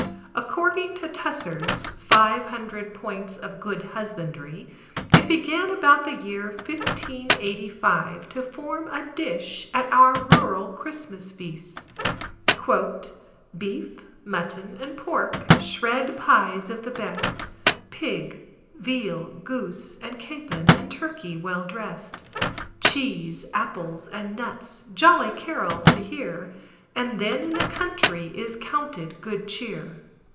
According to Tusser's "Five Hundred Points of Good Husbandry," it began about the year 1585 to form a dish at our rural Christmas feasts: "Beefe, mutton, and pork, shred pies of the best, Pig, veal, goose, and capon, and turkey well drest; Cheese, apples, and nuts, jolly carols to hear, As then in the country is counted good cheer."